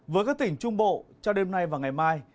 với các tỉnh trung bộ cho đêm nay và ngày mai